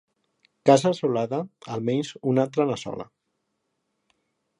Casa assolada, almenys una altra n'assola.